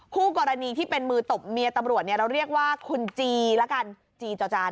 คู่กรณีที่เป็นมือตบเมียตำรวจเนี่ยเราเรียกว่าคุณจีละกันจีจอจาน